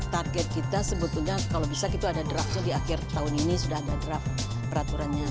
target kita sebetulnya kalau bisa kita ada draftnya di akhir tahun ini sudah ada draft peraturannya